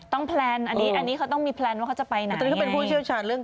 ต้องแพลนอันนี้เขาต้องมีแพลนว่าเขาจะไปไหน